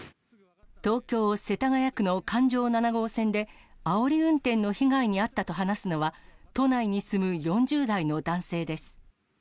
東京・世田谷区の環状七号線で、あおり運転の被害に遭ったと話すのは、都内に住む４０代の男性です。